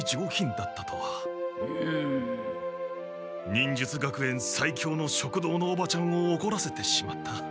忍術学園最強の食堂のおばちゃんをおこらせてしまった。